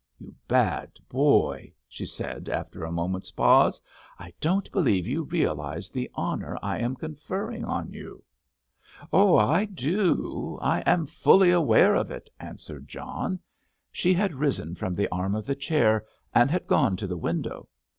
You bad boy," she said, after a moment's pause, "I don't believe you realise the honour I am conferring on you!" "Oh I do—I am fully aware of it," answered John. She had risen from the arm of the chair, and had gone to the window.